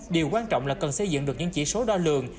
điều quan trọng là cần xây dựng được những chỉ số đo lường